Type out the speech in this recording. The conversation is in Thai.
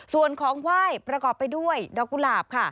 ส่วนของไหว้ประกอบไปด้วยดอกกุหลาบค่ะ